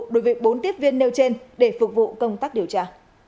đối với bốn tiếp viên nêu trên để phục vụ công tác điều tra